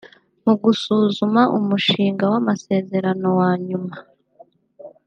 Mu gusuzuma umushinga w’amasezerano wa nyuma